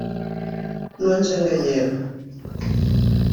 No ens enganyem.